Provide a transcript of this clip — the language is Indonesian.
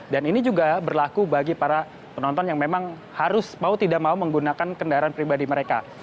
dan ini juga berlaku bagi para penonton yang memang harus mau tidak mau menggunakan kendaraan pribadi mereka